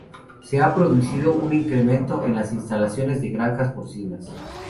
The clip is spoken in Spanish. Se ha producido un incremento en las instalaciones de granjas porcinas.